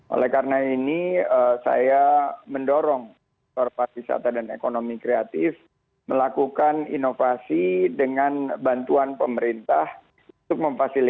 oleh karena ini saya mendorong pariwisata dan ekonomi kreatif melakukan inovasi dengan bantuan pemerintah untuk memfasilitasi